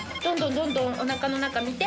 どんどんおなかの中見て。